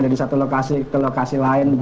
dari satu lokasi ke lokasi lain